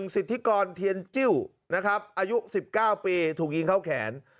สิทธิกรเทียนจิ้วนะครับอายุ๑๙ปีถูกยิงเข้าแขน